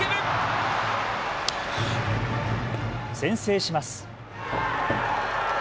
先制します。